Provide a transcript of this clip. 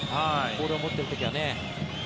ボールを持っている時はね。